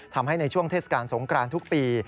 ทำให้ในช่วงเทศกาลสงครานทุกปี